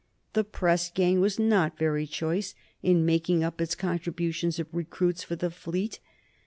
The press gang was not very choice in making up its contributions of recruits for the fleet.